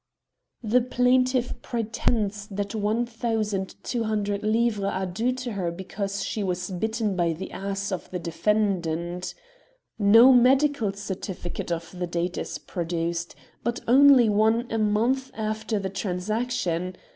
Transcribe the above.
"The plaintiff pretends that 1200 livres are due to her because she was bitten by the ass of the defendant. No medical certificate of the date is produced, but only one a month after the transaction.